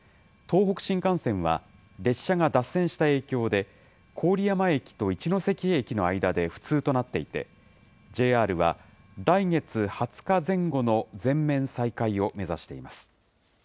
東北新幹線は、列車が脱線した影響で、郡山駅と一ノ関駅の間で不通となっていて、ＪＲは、来月２０日前後の全面再開を目指しています。